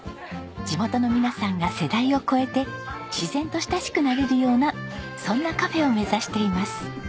地元の皆さんが世代を超えて自然と親しくなれるようなそんなカフェを目指しています。